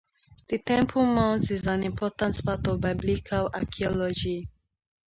The Temple Mount is an important part of Biblical archaeology.